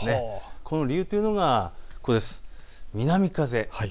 その理由というのが南風。